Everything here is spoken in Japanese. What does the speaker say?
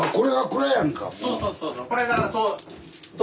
そうそうそうそう。